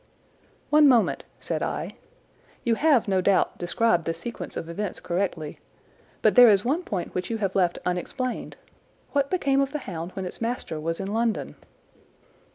"One moment!" said I. "You have, no doubt, described the sequence of events correctly, but there is one point which you have left unexplained. What became of the hound when its master was in London?"